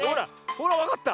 ほらわかった。